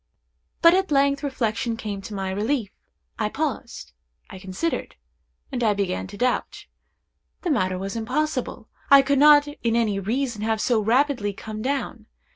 But at length reflection came to my relief. I paused; I considered; and I began to doubt. The matter was impossible. I could not in any reason have so rapidly come down.